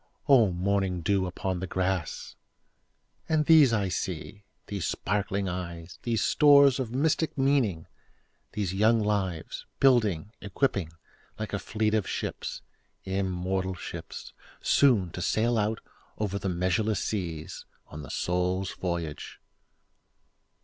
O morning dew upon the grass! And these I see—these sparkling eyes, These stores of mystic meaning—these young lives, Building, equipping, like a fleet of ships—immortal ships! Soon to sail out over the measureless seas, On the Soul's voyage.